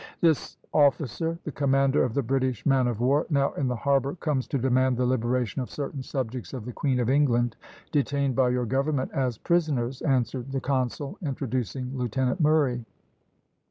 "This officer, the commander of the British man of war, now in the harbour, comes to demand the liberation of certain subjects of the Queen of England, detained by your government as prisoners," answered the consul, introducing Lieutenant Murray.